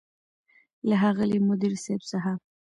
له ښاغلي مدير صيب څخه